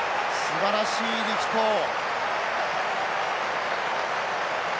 すばらしい力投。